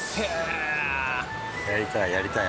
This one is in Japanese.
やりたい。